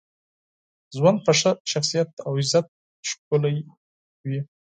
ژوند په ښه شخصیت او عزت ښکلی وي.